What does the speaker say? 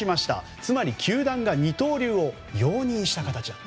つまり、球団が二刀流を容認した形だと。